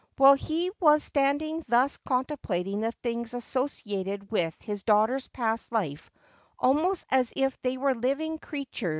While he was standing thus contemplating the things associated with his daughter's past life almost as if they were living creature?